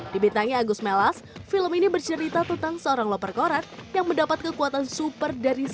dibintangi agus melas film ini bercerita tentang seorang loper korat yang mendapat kekuatan super dari